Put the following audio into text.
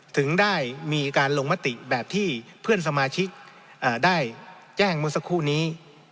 ถึงได้มีการลงมติแบบที่เพื่อนสมาชิกได้แจ้งเมื่อสักครู่นี้